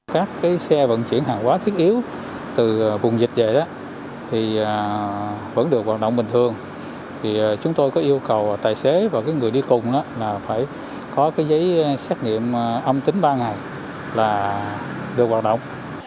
các xe vận chuyển hàng hóa thiết yếu từ vùng dịch về vẫn được hoạt động bình thường chúng tôi có yêu cầu tài xế và người đi cùng phải có giấy xét nghiệm âm tính ba ngày là được hoạt động